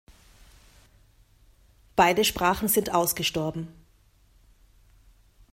Beide Sprachen sind ausgestorben.